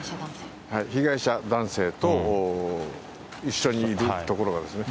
被害者男性と一緒にいるところがですね。